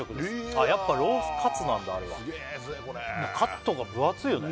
ああやっぱロースかつなんだあれはカットが分厚いよね